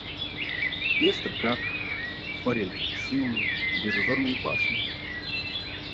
Пестр, как форель, сын безузорной пашни.